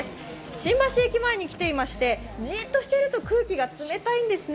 新橋駅前に来ていまして、じーっとしていると空気が冷たいんですね、